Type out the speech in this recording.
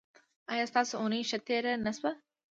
ایا ستاسو اونۍ ښه تیره نه شوه؟